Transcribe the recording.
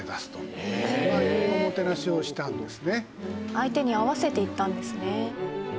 相手に合わせていったんですね。